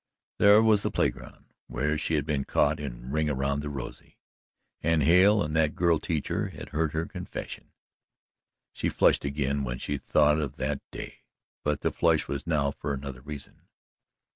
There was the playground where she had been caught in "Ring around the Rosy," and Hale and that girl teacher had heard her confession. She flushed again when she thought of that day, but the flush was now for another reason.